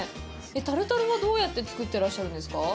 タルタルはどうやって作ってらっしゃるんですか？